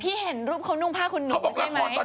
พี่เห็นรูปเค้านุ่มภาคคุณหนูใช่มั้ย